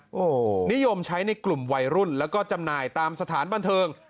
โอ้โหนิยมใช้ในกลุ่มวัยรุ่นแล้วก็จำหน่ายตามสถานบันเทิง